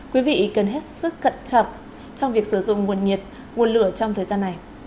quý vị cần hết sức cận chậm trong việc sử dụng nguồn nhiệt nguồn lửa trong thời gian này